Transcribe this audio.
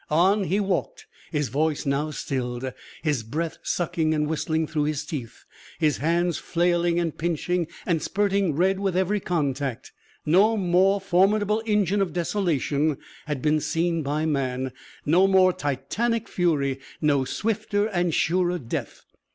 On he walked, his voice now stilled, his breath sucking and whistling through his teeth, his hands flailing and pinching and spurting red with every contact. No more formidable engine of desolation had been seen by man, no more titanic fury, no swifter and surer death.